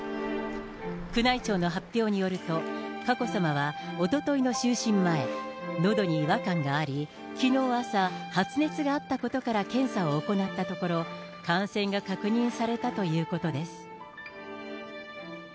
宮内庁の発表によると、佳子さまはおとといの就寝前、のどに違和感があり、きのう朝、発熱があったことから検査を行ったところ、感染が確認されたということです。